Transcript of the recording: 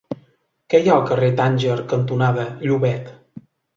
Què hi ha al carrer Tànger cantonada Llobet?